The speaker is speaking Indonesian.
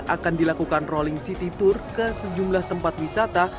akan dilakukan rolling city tour ke sejumlah tempat wisata